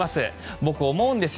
僕、思うんですよ。